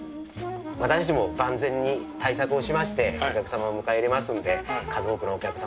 私たちも万全に対策をしましてお客様を迎え入れますんで数多くのお客様